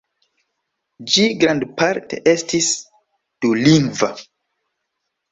Ĝi grandparte estis dulingva.